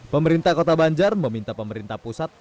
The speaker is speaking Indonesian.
pemerintah kota banjar meminta pemerintah pusat